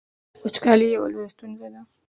وچکالي یوه لویه ستونزه ده